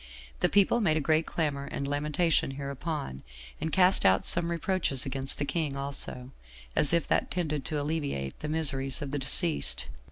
The people made a great clamor and lamentation hereupon, and cast out some reproaches against the king also, as if that tended to alleviate the miseries of the deceased.